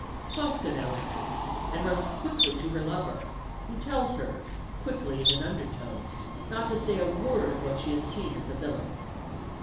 Tosca now enters, and runs quickly to her lover, who tells her quickly in an undertone not to say a word of what she has seen at the villa.